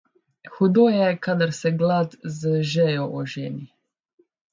Hudo je, kadar se glad z žejo oženi.